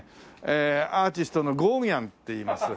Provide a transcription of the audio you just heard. アーティストのゴーギャンっていいます。